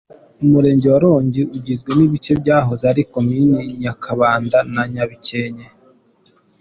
Umurenge wa Rongi ugizwe n’ibice byahoze ari Komini Nyakabanda na Nyabikenke.